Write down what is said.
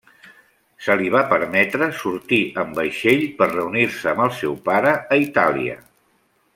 Se li va permetre sortir amb vaixell per reunir-se amb el seu pare a Itàlia.